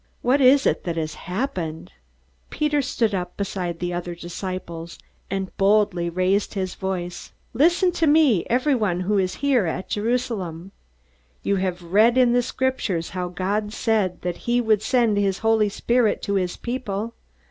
What is it that has happened?" Peter stood up beside the other disciples, and boldly raised his voice: "Listen to me, everyone who is here at Jerusalem! You have read in the Scriptures how God said that he would send his Holy Spirit to his people.